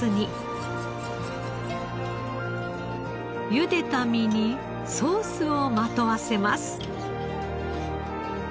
ゆでた身にソースをまとわせます。